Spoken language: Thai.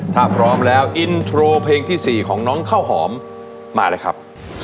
ถ้าพร้อมแล้วอินโทรเพลงที่๔ของน้องข้าวหอมมาเลยครับ